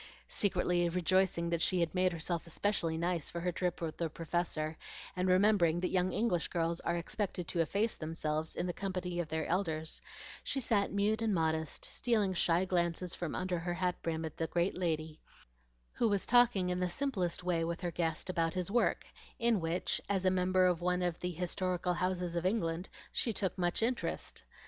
Secretly rejoicing that she had made herself especially nice for her trip with the Professor, and remembering that young English girls are expected to efface themselves in the company of their elders, she sat mute and modest, stealing shy glances from under her hat brim at the great lady, who was talking in the simplest way with her guest about his work, in which, as a member of one of the historical houses of England, she took much interest.